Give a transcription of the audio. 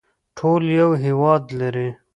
ټول یو هیواد لري